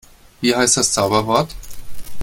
Wie heißt das Zauberwort?